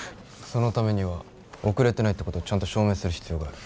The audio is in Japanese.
そのためには遅れてないってことをちゃんと証明する必要がある。